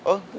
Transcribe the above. mình bảo là